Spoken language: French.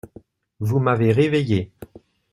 Vous m’avez réveillée…